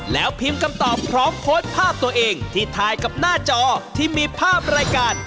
แล้วพิมพ์คำตอบพร้อมโพสต์ภาพตัวเองที่ถ่ายกับหน้าจอที่มีภาพรายการ